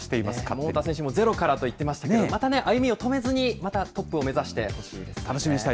桃田選手もゼロからとおっしゃっていましたけれども、また歩みを止めずに、またトップを目指して。